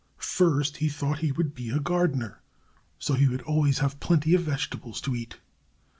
First he thought he would be a gardener, so he would always have plenty of vegetables to eat.